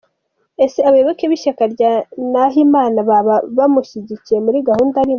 Ese abayoboke b’ishyaka rya Nahimana baba bamushyigikiye muri gahunda arimo